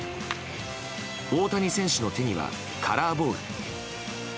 大谷選手の手にはカラーボール。